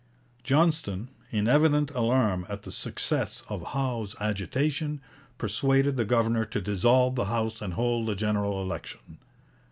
Johnston, in evident alarm at the success of Howe's agitation, persuaded the governor to dissolve the House and hold a general election.